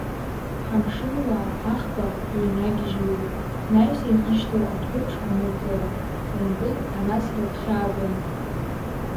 Ҳамшынуаа ҳаӷба иҩнагьежьуеит, ҳнаҩсан ишьҭоу адәҳәыԥш анықәлара, мпылк анасра гәхьааганы.